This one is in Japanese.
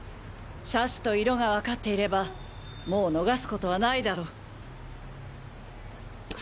車種と色がわかっていればもう逃す事はないだろう。